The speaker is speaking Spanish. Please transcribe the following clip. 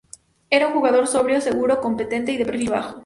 Era un jugador sobrio, seguro, competente y de perfil bajo.